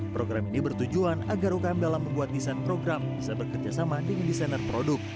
program ini bertujuan agar ukm dalam membuat desain program bisa bekerjasama dengan desainer produk